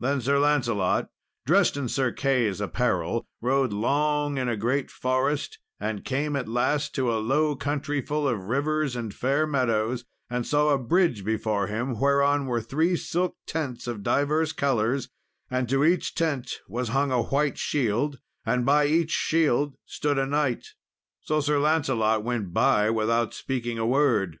Then Sir Lancelot, dressed in Sir Key's apparel, rode long in a great forest, and came at last to a low country, full of rivers and fair meadows, and saw a bridge before him, whereon were three silk tents of divers colours, and to each tent was hung a white shield, and by each shield stood a knight. So Sir Lancelot went by without speaking a word.